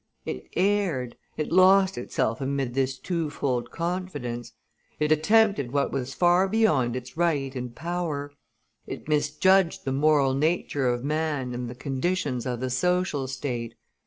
It erred, it lost itself amid this twofold confidence; it attempted what was far beyond its right and power; it misjudged the moral nature of man and the conditions of the social state.